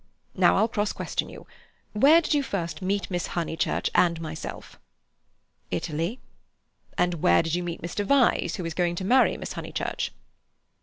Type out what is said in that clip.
Now I'll cross question you. Where did you first meet Miss Honeychurch and myself?" "Italy." "And where did you meet Mr. Vyse, who is going to marry Miss Honeychurch?"